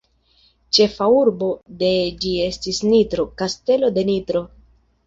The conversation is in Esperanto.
Ĉefa urbo dee ĝi estis Nitro, Kastelo de Nitro.